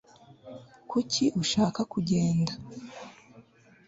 kuki ushaka kugenda